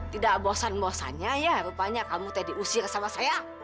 tidak bosan bosannya ya rupanya kamu tadiusir sama saya